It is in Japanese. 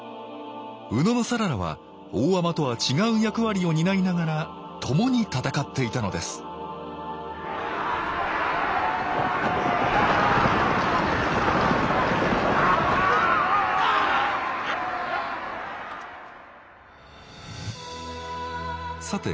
野讃良は大海人とは違う役割を担いながら共に戦っていたのですさて